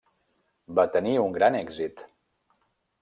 Va tenir un gran èxit.